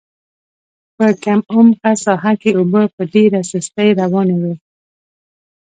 په کم عمقه ساحه کې اوبه په ډېره سستۍ روانې وې.